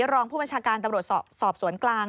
รองผู้บัญชาการตำรวจสอบสวนกลาง